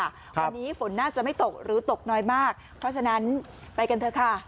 วันนี้ฝนน่าจะไม่ตกหรือตกน้อยมากเพราะฉะนั้นไปกันเถอะค่ะ